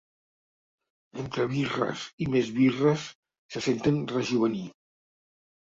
Entre birres i més birres, se senten rejovenir.